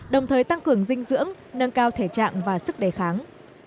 đồng thời tăng cường dinh dưỡng nâng cao thể trạng và sức đề kháng